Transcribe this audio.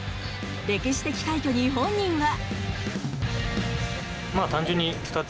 歴史的快挙に本人は。